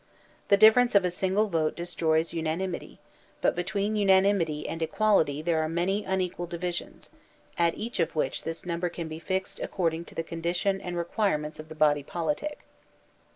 The difference of a single vote destroys unanimity; but between unanimity and equality there are many unequal divisions, at each of which this number can be fixed according to the con dition and requirements of the body politic.